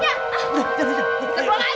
kasar berburu ketuk diri